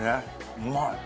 うまい。